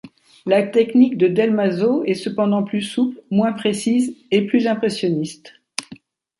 La technique de del Mazo est cependant plus souple, moins précise et plus impressionniste.